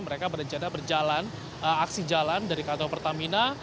mereka berencana berjalan aksi jalan dari kantor pertamina